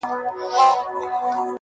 چي ژړل به یې ویلې به یې ساندي-